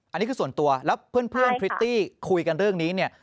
อันนี้คือส่วนตัวแล้วเพื่อนพริตตี้คุยกันเรื่องนี้เนี่ย